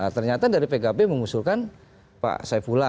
ternyata dari pkb mengusulkan pak saifullah